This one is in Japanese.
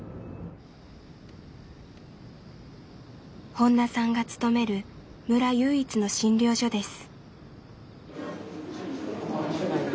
本田さんが勤める村唯一の診療所です。